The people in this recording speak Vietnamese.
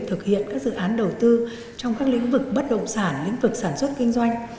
thực hiện các dự án đầu tư trong các lĩnh vực bất động sản lĩnh vực sản xuất kinh doanh